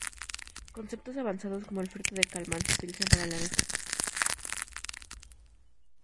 Conceptos avanzados como el filtro de Kalman se utilizan para la mezcla de descripciones.